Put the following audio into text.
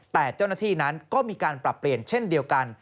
แต่เจ้าหน้าที่นั้นก็มีการปรับเปลี่ยนเช่นเดียวกัน